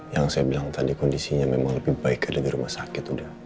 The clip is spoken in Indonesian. yang saya bilang tadi kondisinya memang lebih baik ada di rumah sakit